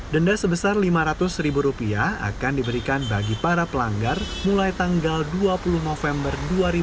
denda sebesar lima ratus ribu rupiah akan diberikan bagi para pelanggar mulai tanggal dua puluh november dua ribu dua puluh